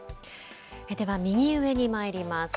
では右上にまいります。